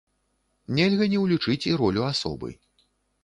Нельга не ўлічыць і ролю асобы.